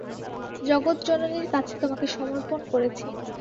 জগজ্জননীর কাছে তোমাকে সমর্পণ করেছি।